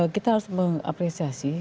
kita harus mengapresiasi